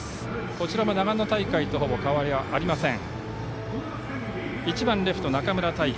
こちらも長野大会とほぼ変わりありません。